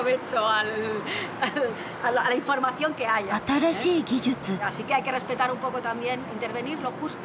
新しい技術。